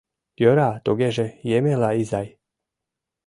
— Йӧра тугеже, Емела изай...